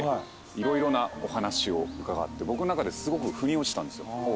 色々なお話を伺って僕の中ですごくふに落ちたんですよ。